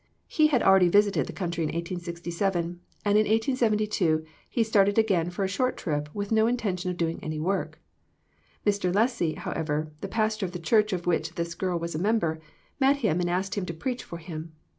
He had already visited the country in 1867, and in 1872 he started again for a short trip with no intention of doing any work. Mr. Lessey, how ever, the pastor of the church of which this girl was a member, met him and asked him to preach for him.